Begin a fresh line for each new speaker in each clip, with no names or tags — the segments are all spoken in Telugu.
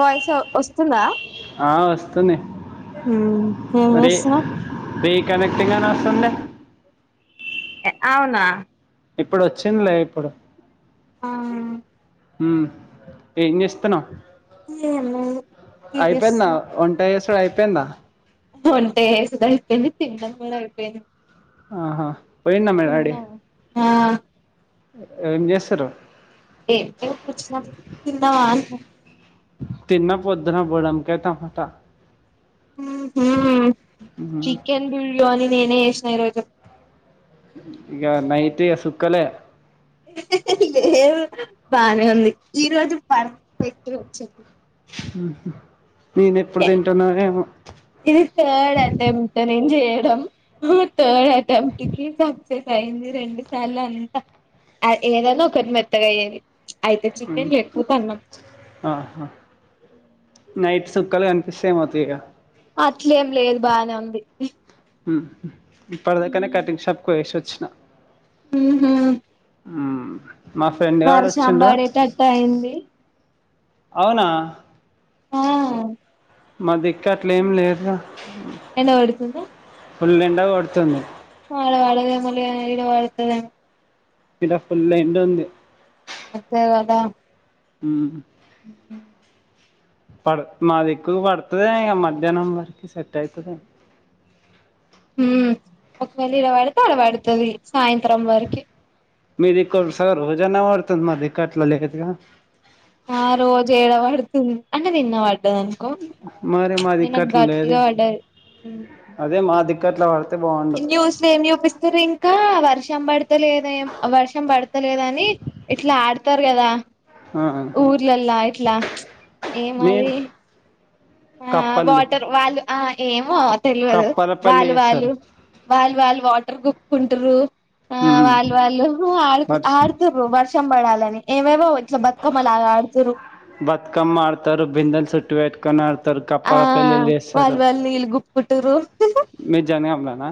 వాయిస్ వస్తుందా
ఆ వస్తున్నాయి
ఉం ఏమ్ చేస్తున్నావ్
పే కనెక్ట్గానే వస్తుంది
అవునా
ఇప్పుడు వచ్చిందిలే ఇప్పుడు
ఆ
ఉం ఏమ్ చేస్తున్నావ్
ఏం లేదు టీవీ
అయిపోయిందా
చూస్తున్న
వంట చేశుడు అయిపోయిందా
వంట చెసుడు అయిపోయింది తింటము కూడా అయిపోయింది
ఆహా పోయిండా మీ డాడీ
తిన్నావా ఆ
ఏం చేస్తారు
ఏ ఏ [unintelligible] పచ్చ క వ
తిన్న పొద్దున్న బుడం కాయ టమాట
హు హమ్
ఉమ్.
చికెన్ బిర్యాని నేనే చేసినా ఈరోజు
ఇగ నైట్ ఇగ సుక్కలే
లేదు బానే ఉంది ఈ రోజు పర్ఫెక్ట్గా వచ్చిందీ
ఆహా
ఇది థర్డ్ అటెంప్ట్ నేను జేయ డం ఆ థర్డ్ అటెంప్ట్ కి అయింది రెండు సార్లు అంతా ఏదనా ఒకటి మెత్తగా అయేది
ఆహా నైట్ చుక్కలు కనిపిస్త యి ఏమతు ఇక
అట్లేం లేదు బానే ఉంది
ఆహా ఇప్పటి దాకా నే కటింగ్ షాప్ కి పోయేసి వచ్చిన
హు హమ్
ఆ మా ఫ్రెండ్ గాడు వచ్చిండ
పడేటట్టు అయింది
అవునా
ఆ
మా దిక్కు అట్లే ఏం లేదు గా
ఎండ కొడుతుందా
పుల్ ఎండ కొడుతుంది
వాళ వాళగా మళ ఇడ వాళతద [unintelligible]
ఇడ ఫుల్ ఎండ వుంది
అదేదదా [unintelligible]
ఉం
ఉ
పడ మా దిక్కు పడుతుంది ఇక మధ్యాహ్నం వరకి సెట్ అయితది
ఉ ఒకవేళ ఇడపడితే అడతది సాయంత్రం వరకి
మీది కొరసగా రోజన్న పడుతుంది మాది ఇక్కట్లో లేదుగా
ఆ రోజు ఏడ పడుతుంది అంటే తిన్నవాడు అనుకో
మరి మా దిక్కు
నేను
అట్లా లేదు
గట్టిగా పడ్డది
[unintelligible]
ఈన్యూస్లు లో ఏం చూపిస్తుర్రు ఇంకా వర్షం పడతలేద ఏం వర్షం పడతలేదని ఇట్లా ఆడతారు కదా ఊర్లల్లా ఇట్లా ఏ
నేను
మది ఆ
కప్పల్లి
వాటర్ వాళ్ళు ఆ ఏమో తెలవదు
కప్పలపల్లి
వాళ్ళు వాళ్ళు
చేస్తారు
వాళ్ళు వాళ్ళు వాటర్ కుప్పుకుంటూర్రు వాళ్ళు వాళ్ళు
బట్స్
ఆడుతుర్రు వర్షం పడాలని ఏవేవో ఇట్లా బతుకమ్మలాగ ఆడుతురు
బతుకమ్మ ఆడతారు బిందెలు చుట్టు పెట్టుకొని ఆడతారు
ఆ
కప్పల పెళ్ళిళ్ళు
వాల్ వాల్ నీళ్ళు గుప్కుకుంటుర్రు
మీరు జనగాం గాన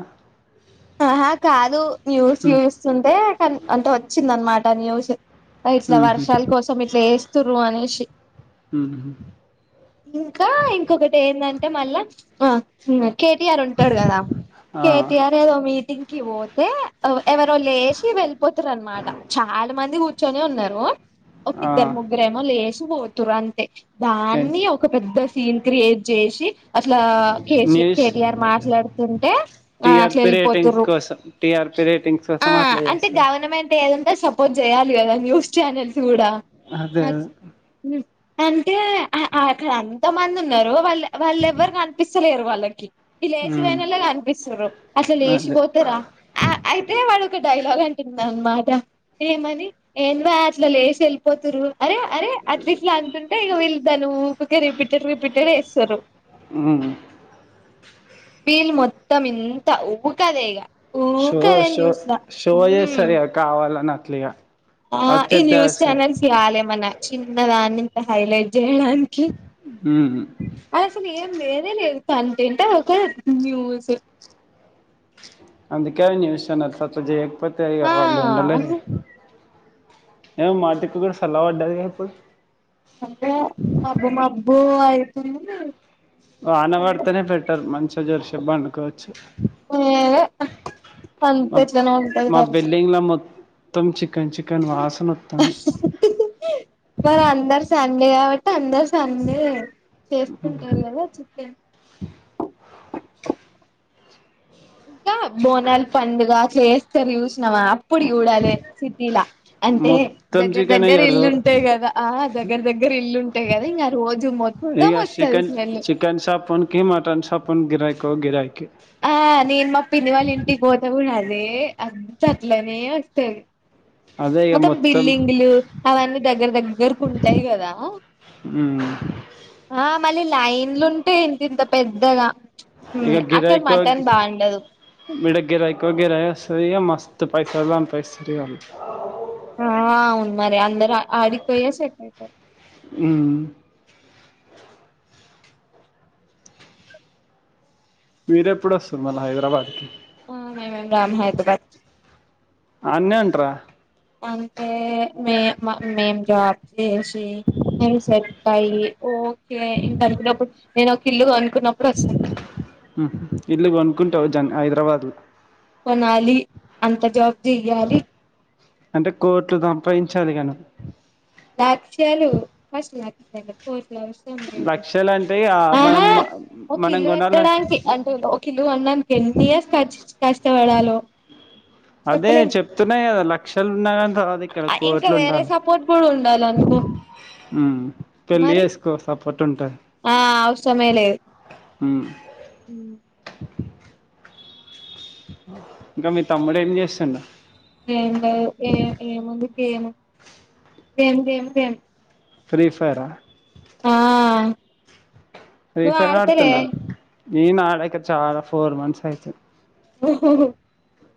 ఆహా కాదు న్యూస్ చూస్తుంటే అంతే వచ్చింది అనమాట న్యూస్ ఇట్లా వర్షాల
జనగాంలోనా
కోసం ఇట్లా వేస్తుర్రు అనేసి ఇంకా ఇంకొకటి ఏందాంటే మళ్ళా ఆ కేటీఆర్ ఉంటాడు కదా
ఆ
కే టి ఆర్ మీటింగ్ కి పోతే ఎవరో లేచి వెళ్ళిపోతురు అనమాట చాలా మంది కూర్చొని ఉన్నారు ఒక
ఆ
ఇద్దరు ముగ్గురేమో లేచి పోతురు అంతే దాన్ని ఒక పెద్ద సీన్ క్రియేట్ చేసి అసల కేసిఆర్
న్యూస్
కేటిఆర్ మాట్లాడుతుంటే ఆ
టిఆర్పి రేటింగ్స్
వెళిపోతురూ
కోసం టిఆర్పి రేటింగ్స్ కోసం అట్లా
అంటే గవర్నమెంట్
చేస్తారు
గవర్నమెంట్ ఏదుంటె సపోర్ట్ చేయాలి కదా న్యూస్ ఛానల్స్ కూడా
అదే
అంటే అక్కడ అంత మంది ఉన్నారు వాళ్ళు వాళ్ళు ఎవ్వరు కనిపిస్తలేరు వాళ్ళకి ఇ
ఉమ్
లేచిపోయిన వాల్లే కనిపిస్తురు అట్లా
అదే
లేచిపోతారా అయితే డొ ఒక డైలాగ్ అంటుంద అనమాట ఏమని ఏన్వ అట్లా లేసి వెళ్ళిపో అరే అరే అట్లా ఇట్లా అంటుంటే ఇక వీళ్లు దాన్ని ఊకే రిపీటెడ్ రిపీటెడ్ వేస్తూర్రు
ఉమ్
బీల్ మొత్తం ఇంత ఉఊకద ఈగ
షో షో షో చేస్తది అక్క కావాలని అట్లుగా
ఆ ఈ న్యూస్ ఛానెల్స్ కాలేమన చిన్న దాన్నింత ఇంత హైలైట్ జయడానికి
ఉమ్
అది అసలు ఏం లేనే లేదు కంటెంట్ అది ఒక న్యూస్
అందుకే అవి న్యూస్ చానెల్స్ అట్లా చేయకపోతే
ఆ
వాళ్ళు ఉండలేరు ఏ మాటికు కూడా సల్ల పడ్డాది గా ఇప్పుడు
అంటే మబ్బు మబ్బు అయితుంది
వా వాన పడితేనే పెట్టరు మంచిగా జోరిసే వండుకోవచ్చు
ఏదో అంత ఇట్లనే ఉంటది
మా
పరిస్థితి
బిల్డింగ్ లో మొత్తం చి చికెన్ చికన్ వాసనత్తాంది
సండేస్ అందరూ చేసుకుంటారు కదా చికెన్ ఇంకా బోనలు పండుగ చేస్తారు చూ సినవా అప్పుడు చూడాలి సిటీలా అంటే
మొత్తం
దగ్గర దగ్గర ఇల్లుంటాయి కదా దగ్గర దగ్గర ఇల్లుంటాయి కదా ఇంకా రోజు మొత్తం
ఇకా
వస్తది
చికెన్
స్మెల్
చికెన్ సాపున్కి మటన్ సాప్ నికి గిరాయికొ గిరాయికి
ఆ నేను మ పిన్ని వాల్ ఇంటికి పోతే కూడ అది ఏ అద్ అట్లనే అస్తది
అదే ఇక
మత్తం
మొత్తం
బిల్డింగులు అవన్నీ దగ్గర దగ్గరకు ఉంటాయి కదా ఆ మళ్ళీ లైన్లుంటయ్ ఇంత ఇంత పెద్దగా
ఇక
ఉమ్, అక్కడ
గిరాయికు
మటన్ బాగుండదు
ఇడ గిరాయికువ గిరా అస్తది ఇగ మస్ తు పైసల్ సంపాదిస్తరు ఇగ ఆళ్ళు
అవును మరి అందరు ఆడికు పోయే సెట్ ఐతరు
ఊ మీర ఎప్పుడు వస్తున్నారు హైదరాబాద్కి
అ మేమేం రామ్ హైదరాబాద్
అన్నే ఉంట్ర
అంటే మే మ మేం జాబ్ చేసి నేను సెట్ ఐయ్ ఓకే ఇంకానుకుప్పుడు నేను ఒక ఇల్లు కొను
ఉ ఇల్లు కొనుక్కుంటావు జన్ హైదరాబాద్ లో
కొనాలి అంత జాబ్ చెయ్యాలి
అంటే కోట్లు సంపాదించాలి ఇగ నువ్
లక్ష్యలు ఫస్ట్ లక్షలు కోట్లు అవసరం లేదు
లక్షలు అంటే ఇగ మనం
ఆహా ఓ
మనం
కిలు
కొనాల
కట్టడానికి అంటే ఓ కిలు కొండానికి ఎన్ని ఇయర్స్ యచ్చి కష్టపడాలో
అదే
చెప్పలేం
చెప్తున్నా కదా లక్షలు ఉన్న గని
ఇంకా వేరే సపోర్ట్ కూడా ఉండాల అనుకో
ఊ పెళ్లి ఏసుకో సప్పు
ఆ ఔసమేలేదు
ఉ
అ
క ఇంకా మీ తమ్ముడు ఏం చేస్తుండు
ఏం లేదు ఏ ఏముంది ఏము ఏమి గమి గేమి
ఫ్రీ ఫైరా
నువ్వు
రీఫైర్
ఆడతలే
ఆడుతున్నా నే నాడాక చాలా ఫోర్ మంత్స్ అయితుంది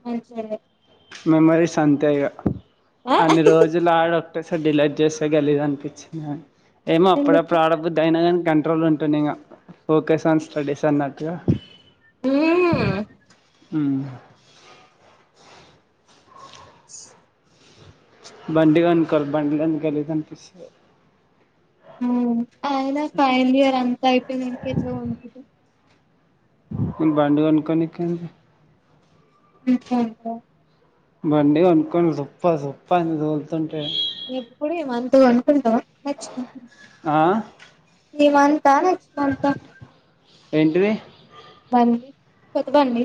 మంచిగ లేద్
మెమరీస్ అంతే ఇగా
ఆ
అన్ని రోజులు ఆడ టేసే డిలీట్ చేస్త గలిజ్ అనిపించిన ఏమో అప్పుడ
ఎందుకు
ఆడబుద్దుయినా కానీ కంట్రోల్ ఉంటుంది ఇంకా ఫోకస్ ఆన్ స్టడీస్ అన్నట్టుగా
ఊ
ఉ ప్చ్ బండి కొనుకోవాల బండి లేనిది గలీజ్ అనిపిస్
అయన ఫైనల్ ఇయర్ అంత అయిపోనంక ఎట్లానుకుంది
నేను బండి కోనుకొనికది
బికామ్ కా
బండి కొనుకని సుప్పా సుప్పా అని తోలుతుంటే
ఎప్పుడు ఈ మంతు కొనుకుంటవ నచ్చ
ఆ
ఈ మంతు తానె ఇస్మంత
ఎంటిది
బండి కొత్త ఒండి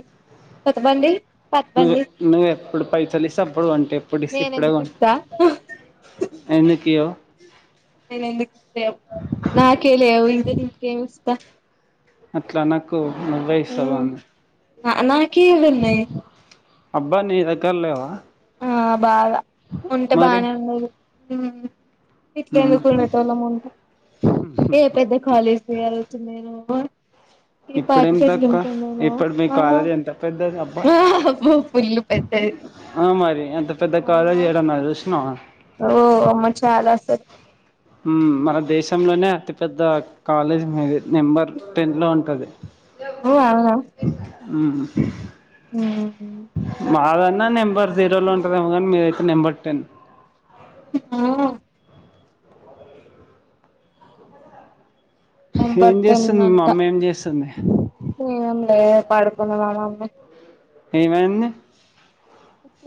కొత్త బండి పాత
నువె
బండి
నువ్ ఎప్పుడు పైసల్ ఇస్తే అప్పుడు వన్
నేనెందుకు ఇస్త
ఎందుకియ్యవు
నేను ఎందుకు లేవు నాకే లేవు ఇంక నికేమిస్తా
అట్ల అనకు నువ్వే ఇస్తవ్ గాని
ఆ నాకేడున్నయ్
అబ్బా నీ దగ్గర లేవా
ఆ బాగ ఉంటే
మరి
బానే ఉండేది ఊమ్ ఇట్ల
మ్మ్
ఎందుకు ఉండేటోళ్ళము ఉంటే ఏ పెద్ద కాలేజీ [unintelligible] ఒచ్చిందేమో ఈ
ఇప్పుడేం
పాటికి ఎట్లా
తక్కువ
ఉంటుడేనో
ఇప్పుడు మీ
ఆ
కాలేజ్ ఎంత పెద్దది అబ్బా
అబ్బ ఫుల్లు పెద్దది
ఆ మరి అంత పెద్ద
అమ్మా
కాలేజి జూశ్నవా
ఓ అమ్మ చాలా అసలు
ఊమ్ మన దేశంలోనే అతి పెద్ద కాలేజ్ మీది నెంబర్ టెన్ లో ఉంటది
ఓ అవునా
ఊమ్ మారన్ నా నెంబర్ జీరోలో ఉంటదేమో గాన్ మీదయితే నెంబర్ టెన్
హు ఆ నెంబర్
ఏం
టెన్
చేస్తుంది మీ
అంట
మమ్మీ ఏం చేస్తుంది
ఏ [unintelligible] ఏ పడుకుంది మా మమ్మీ
ఏమైంది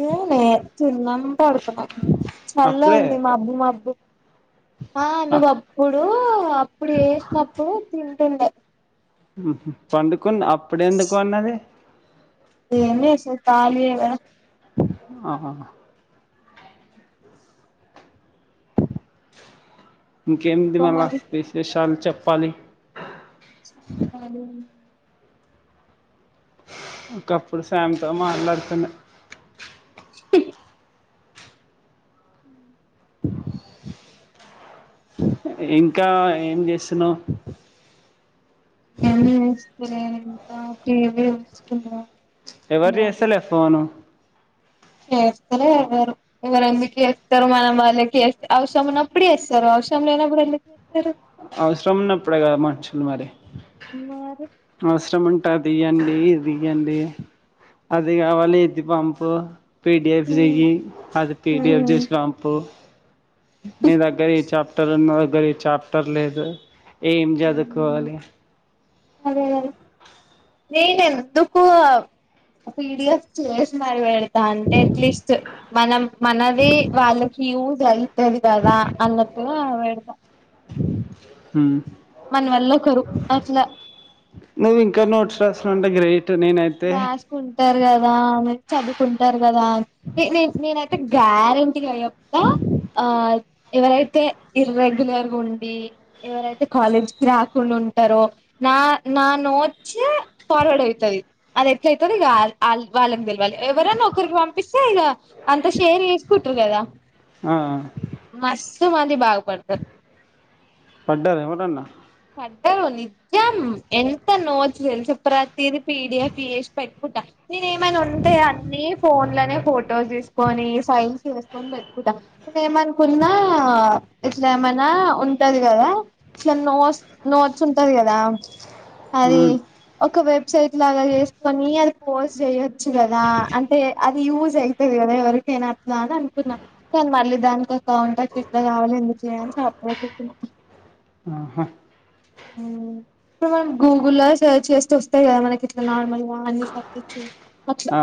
ఏంలే తిన్నాం పడుకున్నా చల్ల
అప్పుడే
ఉంది మబ్బు మబ్బు ఆ నువ్ అప్పుడూ అప్పుడు ఏసినప్పుడు తింటుండే
ఉహు పండుకున్న అప్పుడే ఎందుకు వన్నది
ఏమ్ జేస్సది ఖాళీయేగా
ఆహా ఇంకేమ్ది
ఇంకో
మళ్ల
మరి
విశేషాలు చెప్పాలి
చెప్పాలి
ఒకప్పుడు స్యామ్ తో మాట్లాడుతుండే
హి
ఇంకా ఏం జేస్సున్నవ్
ఏమి జేస్తలేన్ ఇంకా టీవీ జూస్తున్నా
ఎవరు జేస్తలే ఫోను
చేస్తాలే ఎవరు, ఎవరు ఎందుకు ఏస్తరు మనం వాళ్లకి ఏస్తే అవసరం ఉన్నప్పుడు చేస్సరు. అవసరం లేనప్పుడు ఎందుకు ఏస్తరు
అవసరం ఉన్నప్పుడే గదా మనుషులు మరి
మరి
అవసరం ఉన్ ట దీయండి ఇది ఇయండి అది గావాలి ఇది పంపు పి డి ఎఫ్
ఉమ్
జియ్యీ అది పి డి ఎఫ్
ఉమ్
జేసి వంపు నీ దగ్గర ఈ చాప్టర్ ఉన్ నా దగ్గర ఈ చాప్టర్ లేదు ఏం జదుకోవాలి
అదే గదా నేన్ ఎందుకూ పి డి ఎఫ్ చేసి మరి వెడ్ ద అంటే అట్లీస్ట్ మనం మనవీ వాళ్లకి యూస్ అయ్ తది కదా అన్నట్టుగా వెడుక
ఉ
మన వల్ల ఒకరు అట్ల
నువ్వు ఇంకా నోట్స్ రాస్తునవ్ అంటే గ్రే
రాసుకుంటారు కదా చదువుకుంటారు కదా నే నే నేనైతే గ్యారంటీ గా చెప్త ఆ ఎవరైతే ఇర్రేగ్యులర్గా ఉండి ఎవరైతే కాలేజ్ కి రాకుండా ఉంటారో నా నా నోట్సే ఫార్వర్డ్ అయితది అది ఎట్ల అయితదో ఇక ఆల్ ఆల్ వాళ్లకి తెలవాలి ఎవరన్నా ఒకరికి పంపిస్తే ఇగ అంత షేర్ చేసు కుంటరు కదా
ఆ
మది బా
పడ్డార ఎవరన్న
పడ్డారు నిజం ఎంత నోట్స్ తెల్సా [unintelligible] పీడిఎఫ్ చేసి పెట్టుకుంటా నేను ఏమైన ఉంటే అన్ని ఫోన్ లోనే ఫో ఫొటోస్ తీసుకొని ఫైల్స్ చేసుకొని పెట్టుకుంట ఏమనుకున్నా ఇట్లా ఏమైన ఉంటది కదా ఇట్ల నో నోట్స్ ఉంటది కదా అది
మ్మ్
ఒక వెబ్సైట్ లాగ చేసుకొని అది పోజ్ చేయ్యొచ్చు కద అంటే అది యూజ్ అయితది కదా ఎవరికైన అని అనుకున్నా కానీ మళ్ళీ దాని కాంటాక్ట్ ఇట్లా కావాలి ఎందుకులే అని [unintelligible]
ఆహా
ఇప్పుడు మనం గూగుల్ సర్చ్ చేస్తే వస్తాయి కదా మనకి ఇట్ల నార్మల్ అని అట్ల
ఆ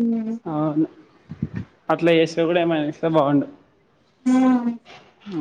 ఊ
అట్ల చేస్తే కూడ ఏమైన ఇస్తే బాగుండు
ఆ
ఆ